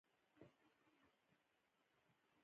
د سټیپ هرم ددوی تر ټولو لومړنی جوړ شوی هرم دی.